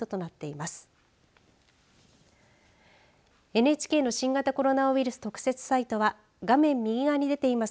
ＮＨＫの新型コロナウイルス特設サイトは画面右側に出ています